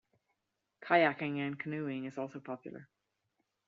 Kayaking and canoeing is also popular.